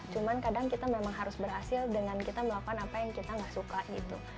cuman kadang kita memang harus berhasil dengan kita melakukan apa yang kita gak suka gitu